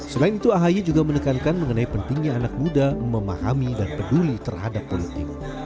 selain itu ahy juga menekankan mengenai pentingnya anak muda memahami dan peduli terhadap politik